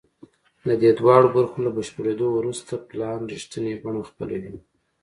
د دې دواړو برخو له بشپړېدو وروسته پلان رښتینې بڼه خپلوي